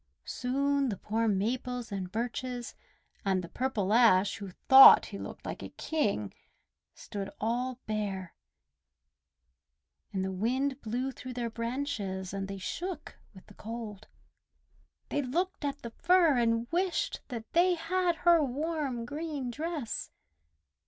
Soon the poor Maples and Birches and the purple Ash who thought he looked like a King stood all bare, and the wind blew through their branches, and they shook with the cold. They looked at the Fir and wished that they had her warm, green dress.